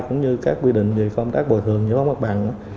cũng như các quy định về công tác bồi thường giữa mặt bằng